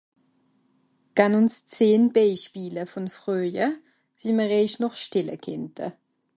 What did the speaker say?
Gan ùns zehn Bèispiele von Fröje, wie m'r éich nooch stelle kennte.